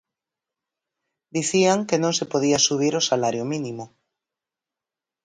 Dicían que non se podía subir o salario mínimo.